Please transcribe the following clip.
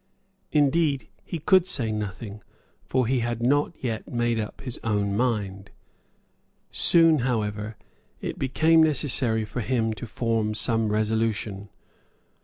Indeed he could say nothing, for he had not yet made up his own mind. Soon, however, it became necessary for him to form some resolution.